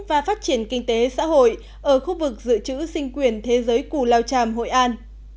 và phát triển kinh tế xã hội ở khu vực dự trữ sinh quyền thế giới cù lao tràm hội an